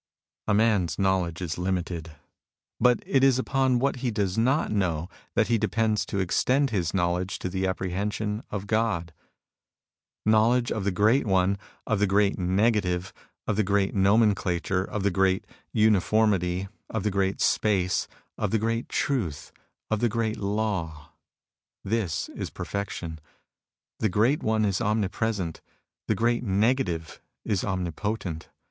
A man's knowledge is limited ; but it is upon what he does not know that he depends to extend his knowledge to the apprehension of God. Knowledge of the great One, of the great Negative, of the great Nomenclature, of the great UD&ormity, of the great Space, of the great Truth, of the great Law, — this is perfection. The great One is omnipresent. The great Negative is omnipotent.